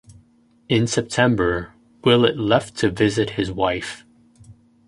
In September, Willett left to visit his wife.